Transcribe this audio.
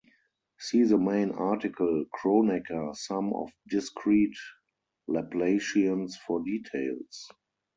See the main article Kronecker sum of discrete Laplacians for details.